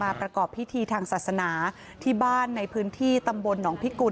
ประกอบพิธีทางศาสนาที่บ้านในพื้นที่ตำบลหนองพิกุล